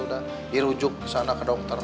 dirujuk kesana ke dokter